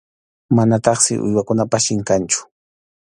Manataqsi uywakunapas chinkanchu.